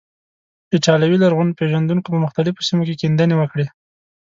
ایټالوي لرغون پیژندونکو په مختلفو سیمو کې کیندنې وکړې.